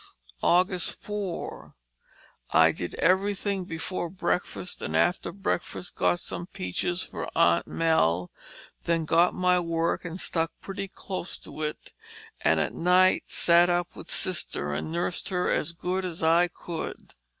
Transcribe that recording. " 4. I did everything before breakfast and after breakfast got some peaches for Aunt Mell and then got my work and stuck pretty close to it and at night sat up with Sister and nursed her as good as I could.